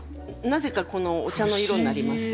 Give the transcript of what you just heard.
なぜかこのお茶の色になります。